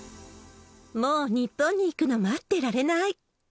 もう日本に行くの待ってられない。